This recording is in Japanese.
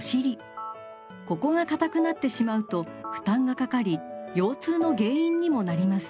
ここがかたくなってしまうと負担がかかり腰痛の原因にもなります。